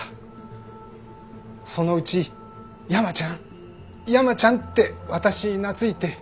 そのうち「山ちゃん！山ちゃん！」って私に懐いて。